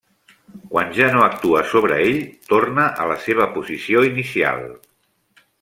Quan ja no actua sobre ell, torna a la seva posició inicial.